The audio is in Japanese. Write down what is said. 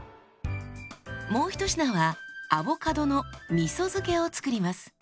もうひと品はアボカドのみそ漬けを作ります。